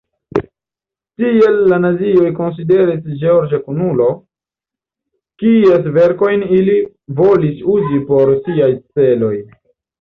Tial la nazioj konsideris George kunulo, kies verkojn ili volis uzi por siaj celoj.